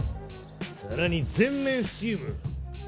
さらに全面スチーム。